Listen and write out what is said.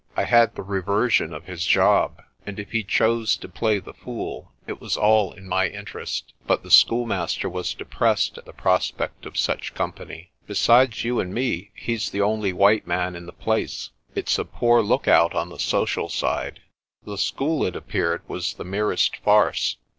I had the reversion of his job, and if he chose to play the fool it was all in my interest. But the school master was depressed at the prospect of such company. "Besides you and me, he's the only white man in the place. It's a poor lookout on the social side." The school, it appeared, was the merest farce.